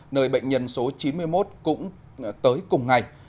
nơi bệnh nhân số chín mươi một cũng tới cùng ngày